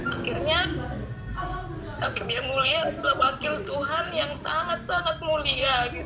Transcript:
akhirnya hakim yang mulia adalah wakil tuhan yang sangat sangat mulia